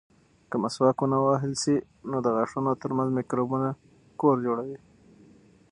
که مسواک ونه وهل شي، نو د غاښونو ترمنځ مکروبونه کور جوړوي.